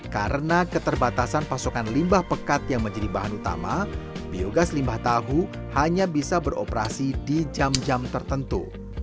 karena keterbatasan pasokan limbah pekat yang menjadi bahan utama biogas limbah tahu hanya bisa beroperasi di jam jam tertentu